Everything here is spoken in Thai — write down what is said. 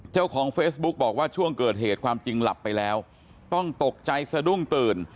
เจ้าของเฟซบุ๊กบอกว่าช่วงเกิดเหตุความจริงหลับไปแล้วต้องตกใจสะดุ้งตื่น